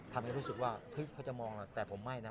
ทำให้รู้สึกว่าเฮ้ยเขาจะมองแต่ผมไม่นะ